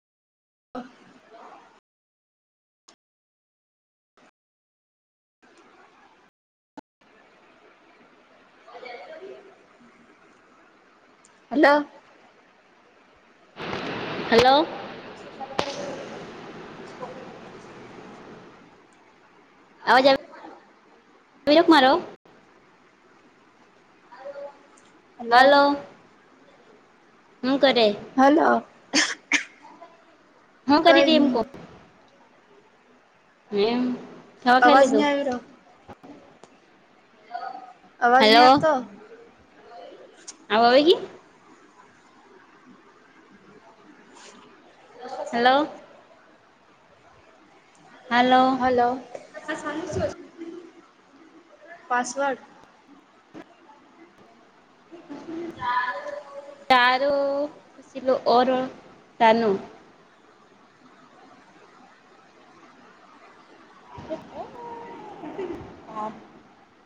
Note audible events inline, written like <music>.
અહ <unintelligible> hello. Hello. શિક્ષા કર <unintelligible> આવજ આવે <unintelligible> ક મારો. હલો. હું કરે. હલો. હા કઈ કરીતી એમ નહી કો. એમ ખાવા ખાઈ અવાજ નય લીધું આવી રહયો. અવાજ હલો નહી આપતો. અવે આવે છે. હલો. હલો. <unintelligible> પાસવર્ડ. શરૂ <unintelligible> ઓર તનું. <unintelligible>